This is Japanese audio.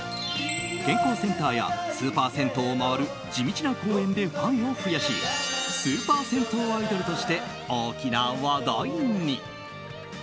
健康センターやスーパー銭湯を回る地道な公演でファンを増やしスーパー銭湯アイドルとして大きな話題に。